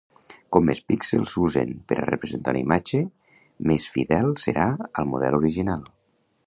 Com més píxels s'usen per a representar una imatge, més fidel serà al model original.